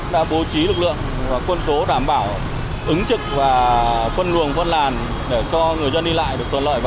đã bố trí lực lượng và quân số đảm bảo ứng trực và quân luồng phân làn để cho người dân đi lại được tuần lợi